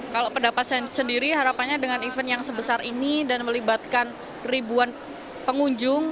kalau pendapat saya sendiri harapannya dengan event yang sebesar ini dan melibatkan ribuan pengunjung